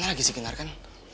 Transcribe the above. dimana lagi si gennar kan